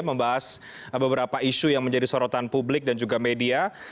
membahas beberapa isu yang menjadi sorotan publik dan juga media